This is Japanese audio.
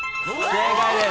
正解です。